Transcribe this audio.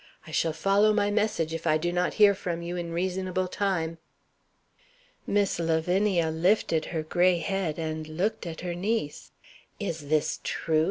I shall follow my message if I do not hear from you in reasonable time." Miss Lavinia lifted her gray head, and looked at her niece. "Is this true?"